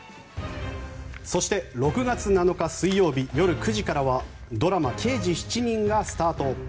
そして、６月７日水曜日夜９時からはドラマ「刑事７人」がスタート。